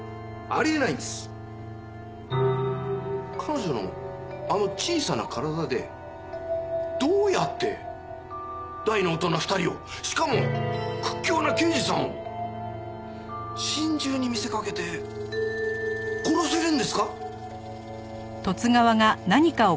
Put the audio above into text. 彼女のあの小さな体でどうやって大の大人２人をしかも屈強な刑事さんを心中に見せかけて殺せるんですか？